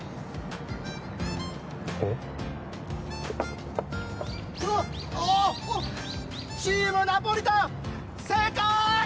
えっチーム・ナポリタン、正解！